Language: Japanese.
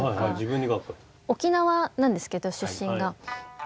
沖縄なんですけど出身が。